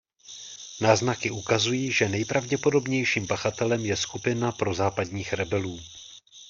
Náznaky ukazují, že nejpravděpodobnějším pachatelem je skupina prozápadních rebelů.